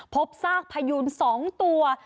พบซากพยูน๒ตัว